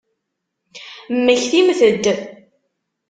Mmektimt-d!